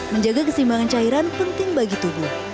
menjaga kesimbangan cairan penting bagi tubuh